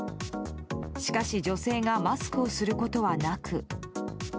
しかし、女性がマスクをすることはなく。